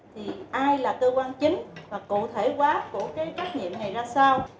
thì ai là cơ quan chính và cụ thể quá của cái trách nhiệm này ra sao